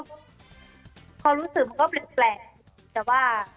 เพราะรู้สึกก้อไม่แปลกแต่ว่า